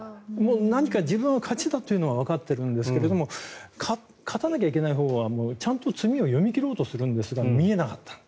何か自分の勝ちだというのはわかっているんですが勝たなきゃいけないほうはちゃんと詰みを読み切ろうとするんですが見えなかった。